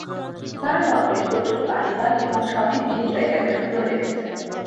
তাঁর মতে, প্রচুর পানি পান এবং সঠিক নিদ্রাই তাঁকে সুন্দর রেখেছে।